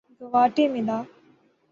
گواٹے مالا